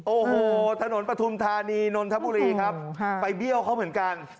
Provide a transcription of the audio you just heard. โอ้โหถนนปฐุมธานีนนทบุรีครับไปเบี้ยวเขาเหมือนกัน